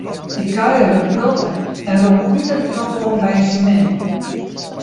Ik kuiere in protte en rûn út en troch oan by syn mem.